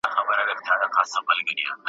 څوک به پوه سي چي له چا به ګیله من یې؟ !.